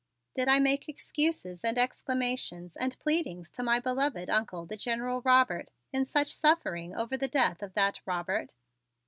Did I make excuses and explanations and pleadings to my beloved Uncle, the General Robert, in such suffering over the death of that Robert?